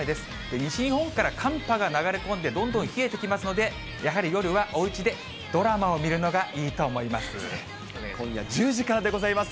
西日本から寒波が流れ込んで、どんどん冷えてきますので、やはり夜は、おうちでドラマを見今夜１０時からでございます。